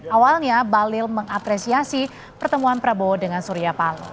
awalnya balil mengapresiasi pertemuan prabowo dengan surya palo